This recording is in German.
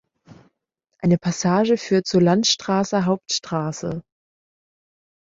Eine Passage führt zur Landstraßer Hauptstraße.